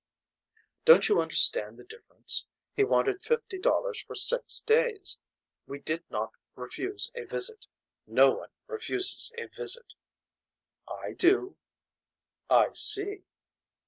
Don't you understand the difference. He wanted fifty dollars for six days. We did not refuse a visit. No one refuses a visit. I do. I see.